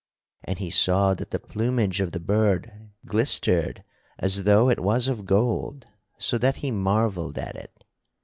And he saw that the plumage of the bird glistered as though it was of gold so that he marvelled at it.